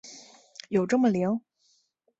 有这么灵？